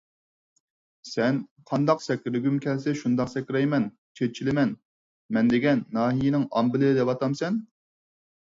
سەن قانداق سەكرىگۈم كەلسە شۇنداق سەكرەيمەن، چېچىلىمەن، مەن دېگەن ناھىيىنىڭ ئامبىلى دەۋاتامسەن؟!